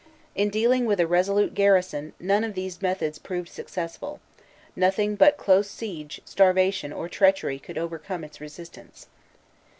In dealing with a resolute garrison none of these methods proved successful; nothing but close siege, starvation, or treachery could overcome its resistance.